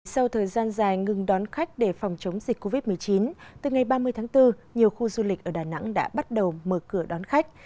sau thời gian dài ngừng đón khách để phòng chống dịch covid một mươi chín từ ngày ba mươi tháng bốn nhiều khu du lịch ở đà nẵng đã bắt đầu mở cửa đón khách